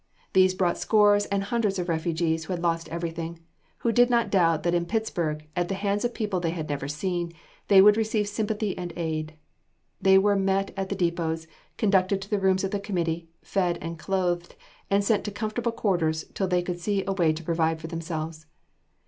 These brought scores and hundreds of refugees who had lost everything, and who did not doubt that in Pittsburg, at the hands of people they had never seen, they would receive sympathy and aid. They were met at the depots, conducted to the rooms of the committee, fed and clothed, and sent to comfortable quarters till they could see a way to provide for themselves.